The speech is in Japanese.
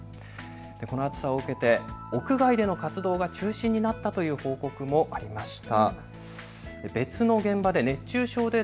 この暑さを受けて屋外での活動が中止になったという報告もありました。